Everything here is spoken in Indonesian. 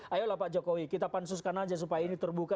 ayolah pak jokowi kita pansuskan aja supaya ini terbuka